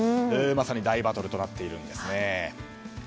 まさに大バトルとなっているんです。